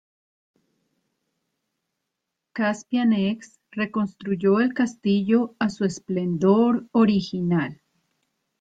Caspian X reconstruyó el castillo a su esplendor original.